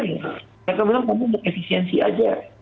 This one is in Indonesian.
mereka bilang kamu buat efisiensi saja